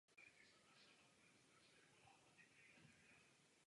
Planě rostoucí keře vysoké asi jeden metr.